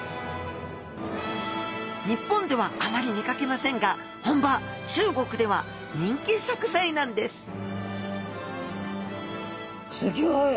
日本ではあまり見かけませんが本場中国では人気食材なんですすギョい。